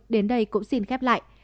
đến đây cũng xin khép lại